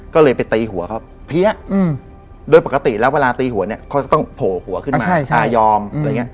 ก็เลยไปตีหัวเขาเพี้ยโดยปกติแล้วเวลาตีหัวเนี่ยเขาจะต้องโผล่หัวขึ้นมาชายอมอะไรอย่างนี้